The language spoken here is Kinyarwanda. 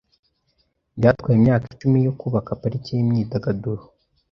Byatwaye imyaka icumi yo kubaka parike yimyidagaduro .